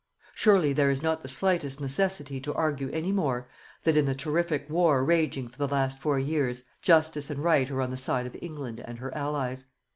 Surely, there is not the slightest necessity to argue any more that in the terrific war raging for the last four years, Justice and Right are on the side of England and her Allies.